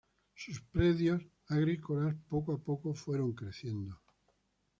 Sus predios agrícolas poco a poco fueron creciendo.